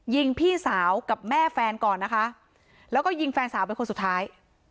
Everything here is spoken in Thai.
ยิงพี่สาวกับแม่แฟนก่อนนะคะแล้วก็ยิงแฟนสาวเป็นคนสุดท้าย